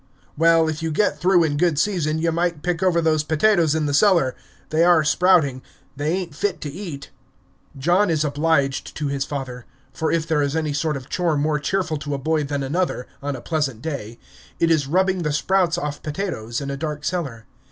"Well, if you get through in good season, you might pick over those potatoes in the cellar; they are sprouting; they ain't fit to eat." John is obliged to his father, for if there is any sort of chore more cheerful to a boy than another, on a pleasant day, it is rubbing the sprouts off potatoes in a dark cellar.